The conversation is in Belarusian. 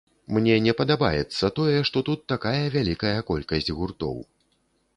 Мне не падабаецца тое, што тут такая вялікая колькасць гуртоў.